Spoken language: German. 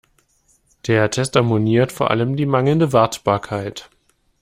Der Tester moniert vor allem die mangelnde Wartbarkeit.